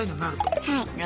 はい。